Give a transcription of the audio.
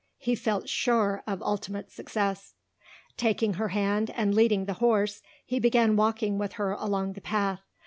He felt sure of ultimate success. Taking her hand, and leading the horse, he began walking with her along the path.